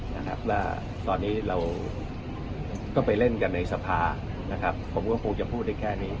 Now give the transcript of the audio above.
และตอนนี้เราก็ไปเล่นกันในสภาผมก็คงจะพูดได้แค่นี้